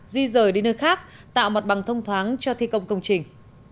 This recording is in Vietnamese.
di rời đến nơi khác tạo mặt bằng thông thoáng cho thi công công trình